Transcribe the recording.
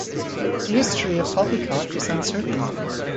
The history of Poppycock is uncertain.